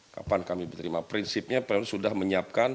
kapan kami menerima prinsipnya